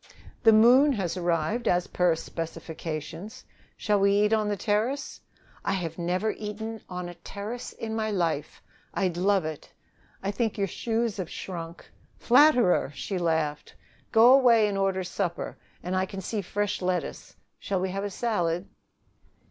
"The moon has arrived, as per specifications. Shall we eat on the terrace?" "I have never eaten on a terrace in my life. I'd love it." "I think your shoes have shrunk." "Flatterer!" She laughed. "Go away and order supper. And I can see fresh lettuce. Shall we have a salad?"